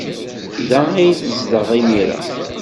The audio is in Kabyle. Da ay tezdeɣ imir-a.